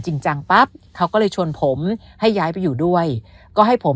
จริงจังปั๊บเขาก็เลยชวนผมให้ย้ายไปอยู่ด้วยก็ให้ผม